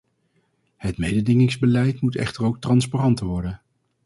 Het mededingingsbeleid moet echter ook transparanter worden.